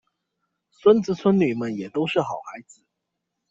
孫子孫女們也都是好孩子